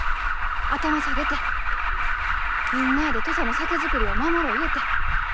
頭下げてみんなあで土佐の酒造りを守ろうゆうて。